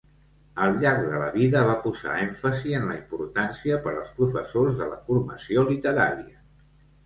Al llarg de la vida, va posar èmfasi en la importància per als professors de la formació literària.